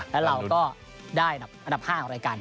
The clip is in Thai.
แล้วเราก็ได้อันดับ๕ของรายการ